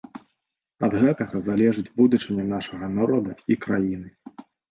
Ад гэтага залежыць будучыня нашага народа і краіны.